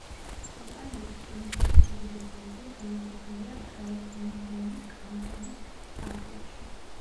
კომპანიის რკინიგზების უდიდესი ნაწილი განლაგებულია გრაუბიუნდენის კანტონის ფარგლებში.